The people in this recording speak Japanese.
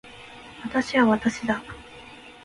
私は私だ